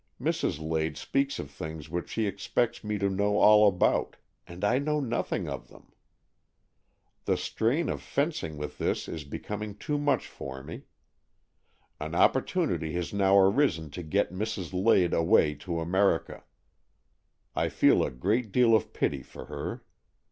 Mrs. Lade speaks of things which she expects me to know all about, and I know nothing of them. The strain of fencing with this is becoming too much for me. An opportunity has now arisen to get Mrs. Lade away to America. I feel a great deal of pity for her.